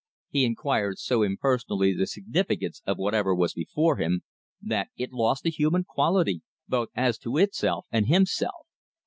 He inquired so impersonally the significance of whatever was before him, that it lost the human quality both as to itself and himself.